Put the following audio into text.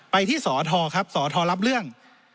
แต่ที่สออทอครับสออทอรับเรื่อง